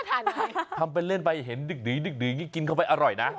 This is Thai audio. ถามเป็นเล่นไปเห็นดึกกินเข้าไปอร่อยนะ